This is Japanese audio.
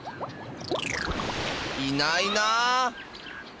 いないなあ。